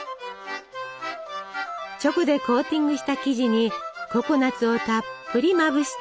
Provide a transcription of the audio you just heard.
チョコでコーティングした生地にココナツをたっぷりまぶして。